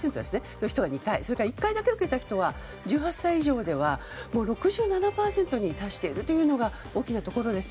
それから１回だけ受けた人は１８歳以上では６７％に達しているというのが大きなところです。